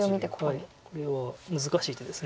これは難しい手です。